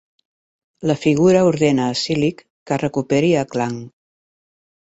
La figura ordena a Silik que recuperi a Klaang.